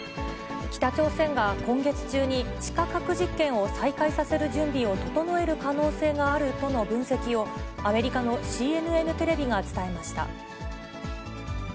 北朝鮮が今月中に、地下核実験を再開させる準備を整える可能性があるとの分析を、アメリカのＣＮＮテレビが伝えました。